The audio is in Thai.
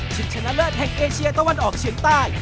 ชนะเลิศแห่งเอเชียตะวันออกเฉียงใต้